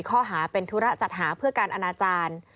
ข้อหาเป็นธุระจัดหาเพื่อการอนาจารย์